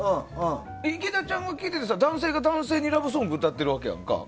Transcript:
池田ちゃんが聴いていたの男性が男性にラブソングを歌ってるわけやんか。